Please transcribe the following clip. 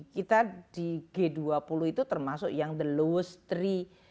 kita di g dua puluh itu termasuk yang the lowest tiga